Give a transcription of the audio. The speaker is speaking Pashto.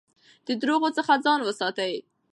د درواغو څخه ځان وساتئ.